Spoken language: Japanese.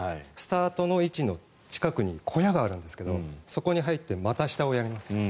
スタートの位置の近くに小屋があるんですがそこに入って股下をやります。